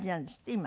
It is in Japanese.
今。